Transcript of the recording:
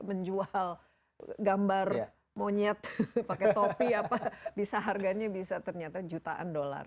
menjual gambar monyet pakai topi apa bisa harganya bisa ternyata jutaan dolar